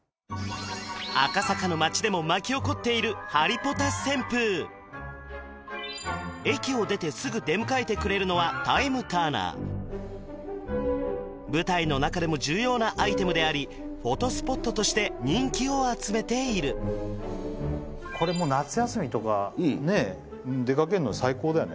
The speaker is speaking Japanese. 赤坂の街でも巻き起こっているハリポタ旋風駅を出てすぐ出迎えてくれるのはタイムターナー舞台の中でも重要なアイテムでありフォトスポットとして人気を集めているこれもう夏休みとかねえ出かけんの最高だよね